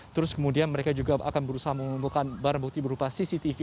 terus kemudian mereka juga akan berusaha mengumpulkan barang bukti berupa cctv